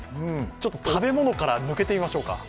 ちょっと食べ物から抜けてみましょうか。